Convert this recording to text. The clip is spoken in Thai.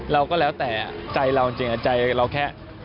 เราก็แล้วแต่ใจเราจริงใจเราแค่